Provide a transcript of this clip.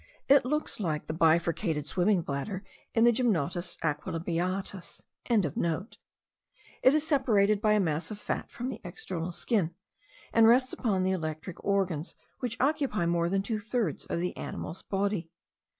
It looks like the bifurcated swimming bladder in the Gymnotus aequilabiatus.) It is separated by a mass of fat from the external skin; and rests upon the electric organs, which occupy more than two thirds of the animal's body.